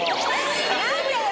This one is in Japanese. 何でよ！